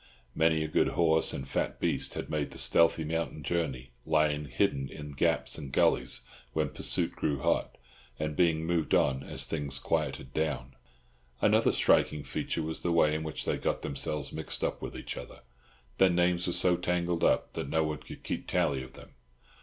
Many a good horse and fat beast had made the stealthy mountain journey, lying hidden in gaps and gullies when pursuit grew hot, and being moved on as things quieted down. Another striking feature was the way in which they got themselves mixed up with each other. Their names were so tangled up that no one could keep tally of them.